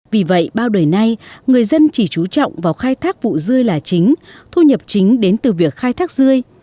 vì vậy bao đời nay người dân chỉ trú trọng vào khai thác vụ dươi là chính thu nhập chính đến từ việc khai thác rươi